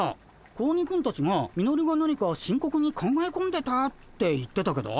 子鬼くんたちがミノルが何か深刻に考え込んでたって言ってたけど？